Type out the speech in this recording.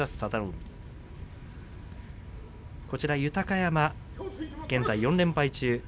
一方、豊山、現在４連敗中。